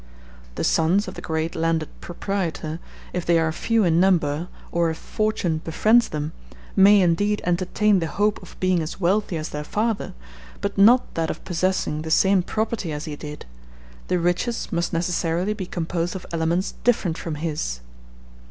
The sons of the great landed proprietor, if they are few in number, or if fortune befriends them, may indeed entertain the hope of being as wealthy as their father, but not that of possessing the same property as he did; the riches must necessarily be composed of elements different from his.